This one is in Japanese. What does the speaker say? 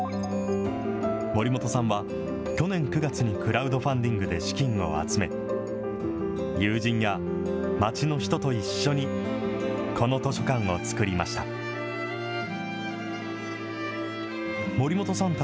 守本さんは去年９月にクラウドファンディングで資金を集め、友人や街の人と一緒にこの図書館を作りました。